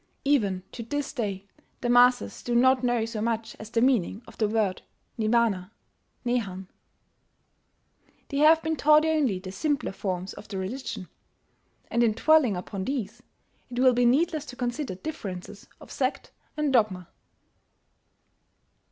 Even to this day the masses do not know so much as the meaning of the word "Nirvana" (Nehan): they have been taught only the simpler forms of the religion; and in dwelling upon these, it will be needless to consider differences of sect and dogma.